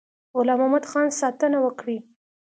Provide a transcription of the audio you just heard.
غلام محمدخان ساتنه وکړي.